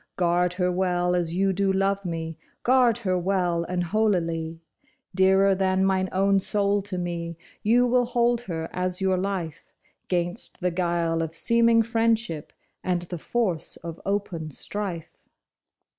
Guard her well as you do love me ; guard her well and holily. Dearer than mine own soul to me, you will hold her as your life, 'Gainst the guile of s eeming friendship and the force of open strife." 2 THE DEFENCE OF THE BRIDE.